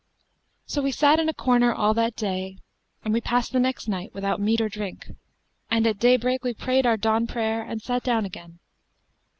So we sat in a corner all that day and we passed the next night without meat or drink; and at day break we prayed our dawn prayer and sat down again.